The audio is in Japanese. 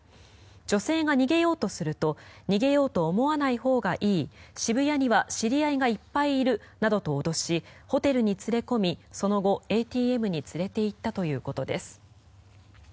女性が逃げようとすると逃げようと思わないほうがいい渋谷には知り合いがいっぱいいるなどと脅しホテルに連れ込みその後、ＡＴＭに連れていったということです。